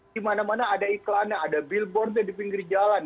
di mana mana ada iklannya ada billboardnya di pinggir jalan